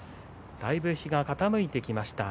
だいぶ日が傾いてきました。